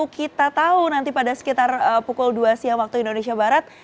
kita tahu nanti pada sekitar pukul dua siang waktu indonesia barat